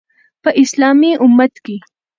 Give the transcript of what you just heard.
په اسلامي امت کې